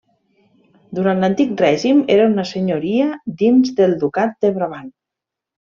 Durant l’antic règim era una senyoria dins del ducat de Brabant.